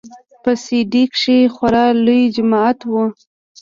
په سي ډي کښې خورا لوى جماعت و.